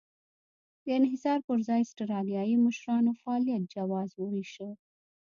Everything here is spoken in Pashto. د انحصار پر ځای اسټرالیایي مشرانو فعالیت جواز وېشه.